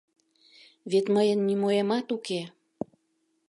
Вет мыйын нимоэмат уке.